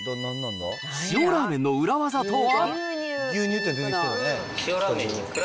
塩ラーメンの裏技とは。